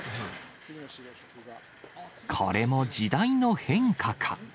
これも時代の変化か。